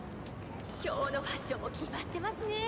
今日のファッションも決まってますね。